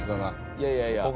いやいやいや。